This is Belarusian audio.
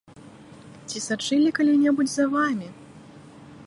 Ці сачылі калі-небудзь за вамі?